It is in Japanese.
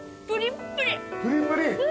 プリップリ。